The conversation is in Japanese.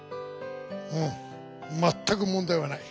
うんまったく問題はない。